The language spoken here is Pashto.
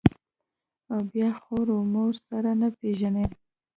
او بيا خور و مور سره نه پېژني.